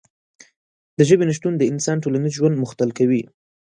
د ژبې نشتون د انسان ټولنیز ژوند مختل کوي.